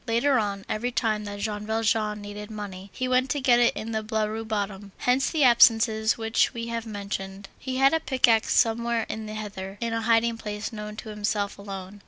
Later on, every time that Jean Valjean needed money, he went to get it in the Blaru bottom. Hence the absences which we have mentioned. He had a pickaxe somewhere in the heather, in a hiding place known to himself alone.